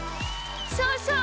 そうそう！